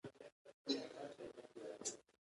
د ملي حاکمیت ساتل د دولت دنده ده.